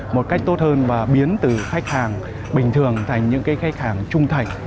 một cách tốt hơn và biến từ khách hàng bình thường thành những khách hàng trung thành